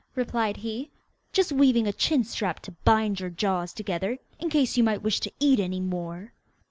replied he. 'Just weaving a chin strap to bind your jaws together, in case you might wish to eat any more!